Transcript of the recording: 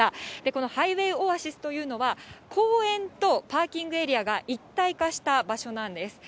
このハイウェイオアシスというのは、公園とパーキングエリアが一体化した場所なんです。